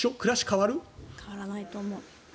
変わらないと思う。